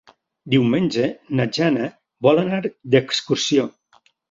Diumenge na Jana vol anar d'excursió.